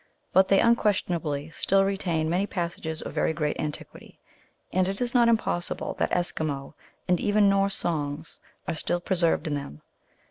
But they un questionably still retain many passages of very great antiquity, and it is not impossible that Eskimo and even Norse songs are still preserved in them.